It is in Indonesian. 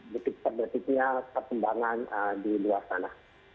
berarti perbedaannya perkembangan di luar sana